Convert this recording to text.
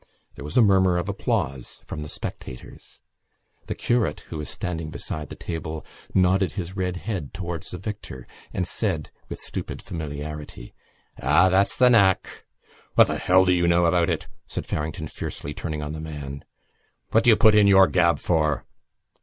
There was a murmur of applause from the spectators. The curate, who was standing beside the table, nodded his red head towards the victor and said with stupid familiarity: "Ah! that's the knack!" "What the hell do you know about it?" said Farrington fiercely, turning on the man. "What do you put in your gab for?"